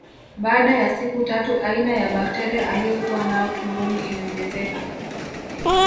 Baada ya siku tatu aina ya bakteria aliokuwa nao tumboni iliongezeka